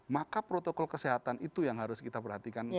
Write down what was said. maka protokol kesehatan itu yang harus kita perhatikan